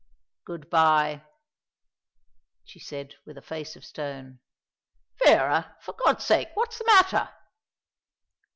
"Good bye," she said, with a face of stone. "Vera, for God's sake! What's the matter?"